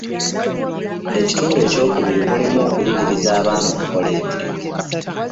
Ekitundu ekyokubiri mulimu okuyigiriza abaana okukola emirimu.